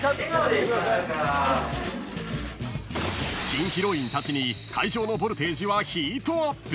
［新ヒロインたちに会場のボルテージはヒートアップ］